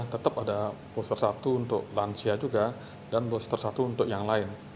tetap ada booster satu untuk lansia juga dan booster satu untuk yang lain